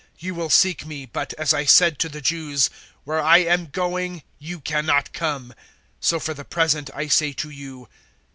You will seek me, but, as I said to the Jews, `Where I am going you cannot come,' so for the present I say to you.